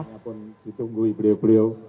yang pun ditunggui beliau beliau